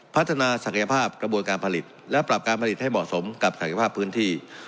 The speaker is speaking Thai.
พัฒนาศักยภาพกระบวนการผลิตและปรับการผลิตให้เหมาะสมกับศักยภาพพื้นที่